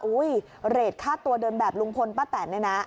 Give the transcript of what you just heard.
เรทค่าตัวเดินแบบลุงพลป้าแตนเนี่ยนะ